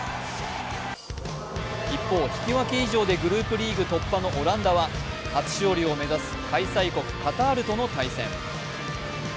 一方引き分け以上でグループリーグ突破のオランダは初勝利を目指す開催国・カタールとの対戦。